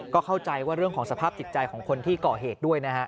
ก็เข้าใจว่าเรื่องของสภาพจิตใจของคนที่ก่อเหตุด้วยนะฮะ